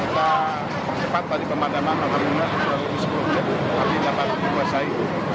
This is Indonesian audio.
kita cepat tadi pemadaman api ini api dapat dikuasai